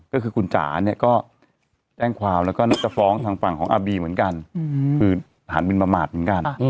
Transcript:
ก็คือคุณจ๋าเนี่ยก็แจ้งความแล้วก็น่าจะฟ้องทางฝั่งของอาบีเหมือนกันคือฐานบินประมาทเหมือนกัน